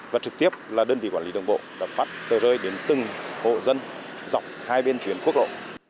và trực tiếp là đơn vị quản lý đường bộ đã phát tờ rơi đến từng hộ dân dọc hai bên tuyến quốc lộ